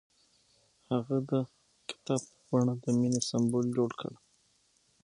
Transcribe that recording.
هغه د کتاب په بڼه د مینې سمبول جوړ کړ.